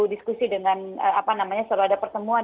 diskusi dengan apa namanya selalu ada pertemuan